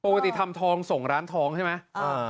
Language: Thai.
ปกติทำทองส่งร้านทองใช่ไหม